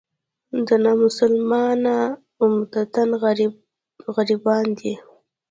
دا نامسلمانان عمدتاً غربیان دي.